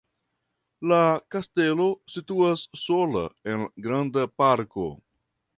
La kastelo situas sola en granda parko.